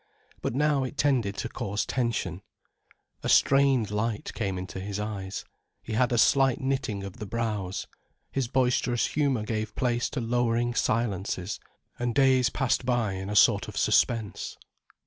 But now it tended to cause tension. A strained light came into his eyes, he had a slight knitting of the brows. His boisterous humour gave place to lowering silences, and days passed by in a sort of suspense.